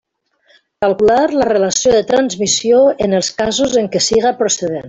Calcular la relació de transmissió en els casos en què siga procedent.